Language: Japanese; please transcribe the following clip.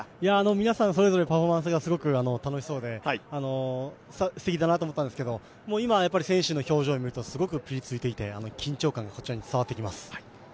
皆さんそれぞれパフォーマンスがすごく楽しそうですてきだなと思ったんですけど、今選手の表情を見るとすごくぴりついていて緊張感がこちらに伝わってきます。